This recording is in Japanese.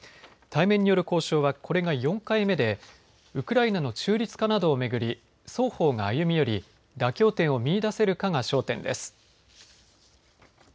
対面による交渉はこれが４回目でウクライナの中立化などを巡り双方が歩み寄り、妥協点を見いだせるかが焦点です。